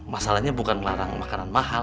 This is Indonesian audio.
masalahnya bukan melarang makanan mahal